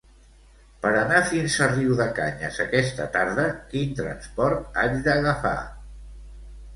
Per anar fins a Riudecanyes aquesta tarda, quin transport haig d'agafar?